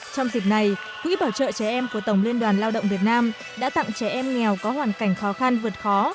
trong dịp này quỹ bảo trợ trẻ em của tổng liên đoàn lao động việt nam đã tặng trẻ em nghèo có hoàn cảnh khó khăn vượt khó